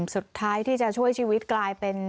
สุดท้ายที่จะช่วยชีวิตกลายเป็น